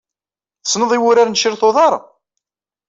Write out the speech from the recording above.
Tessned i wuṛaṛ n tcurt uḍar?